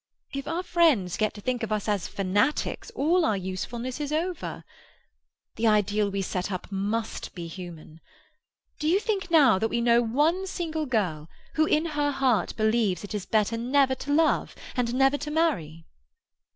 If our friends get to think of us as fanatics, all our usefulness is over. The ideal we set up must be human. Do you think now that we know one single girl who in her heart believes it is better never to love and never to marry?"